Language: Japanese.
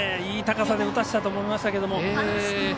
いい高さで打たせたと思いましたけれども。